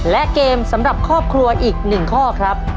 และเกมสำหรับครอบครัวอีก๑ข้อครับ